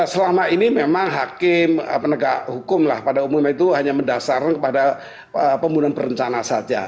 selama ini memang hakim penegak hukum lah pada umumnya itu hanya mendasarkan kepada pembunuhan berencana saja